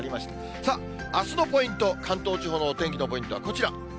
さあ、あすのポイント、関東地方のお天気のポイントはこちら。